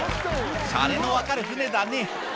しゃれの分かる船だね。